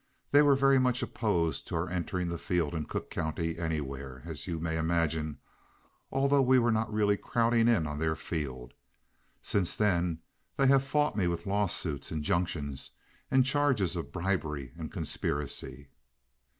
They were very much opposed to our entering the field in Cook County anywhere, as you may imagine, although we were not really crowding in on their field. Since then they have fought me with lawsuits, injunctions, and charges of bribery and conspiracy."